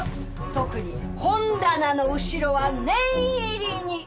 特に本棚の後ろは念入りに！